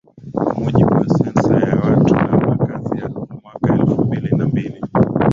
Kwa mujibu wa Sensa ya Watu na Makazi ya Mwaka elfu mbili na mbili